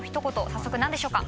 早速何でしょうか？